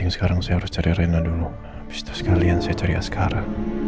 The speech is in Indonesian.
saya harus cari reina saya harus cari azlara